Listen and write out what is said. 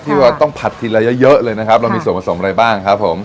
ว่าต้องผัดทีละเยอะเยอะเลยนะครับเรามีส่วนผสมอะไรบ้างครับผม